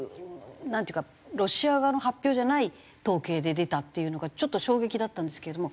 なんていうかロシア側の発表じゃない統計で出たっていうのがちょっと衝撃だったんですけれども。